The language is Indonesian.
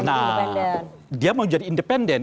nah dia mau jadi independen